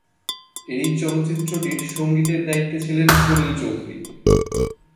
এই চলচ্চিত্রটির সঙ্গীতের দায়িত্বে ছিলেন সলিল চৌধুরী।